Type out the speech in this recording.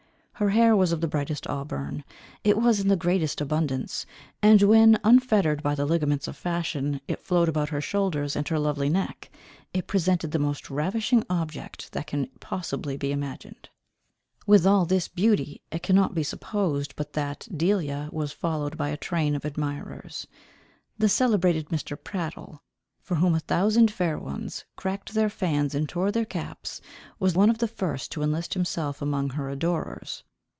Her hair was of the brightest auburn, it was in the greatest abundance, and when, unfettered by the ligaments of fashion, it flowed about her shoulders and her lovely neck, it presented the most ravishing object that can possibly be imagined. With all this beauty, it Cannot be supposed but that Delia was followed by a train of admirers. The celebrated Mr. Prattle, for whom a thousand fair ones cracked their fans and tore their caps, was one of the first to enlist himself among her adorers.